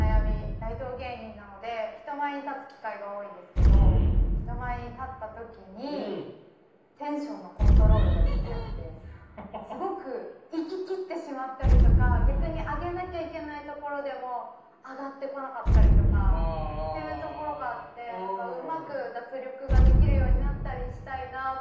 大道芸人なので人前に立つ機会が多いんですけど人前に立った時にすごく行き切ってしまったりとか逆に上げなきゃいけないところでも上がってこなかったりとかっていうところがあってうまく脱力ができるようになったりしたいなと。